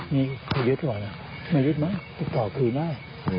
ไม่น่าเอาตัวยึดมา